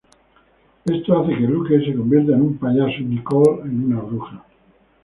Esto hace que Luke se convierta en un payaso y Nicole en una bruja.